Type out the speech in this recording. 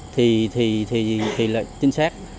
thì là chính xác